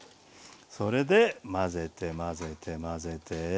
それで混ぜて混ぜて混ぜて。